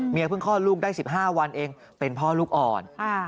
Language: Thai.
เพิ่งคลอดลูกได้๑๕วันเองเป็นพ่อลูกอ่อน